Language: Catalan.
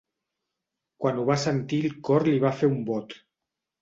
Quan ho va sentir el cor li va fer un bot.